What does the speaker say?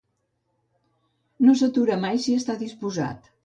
No s'atura mai si està disposat.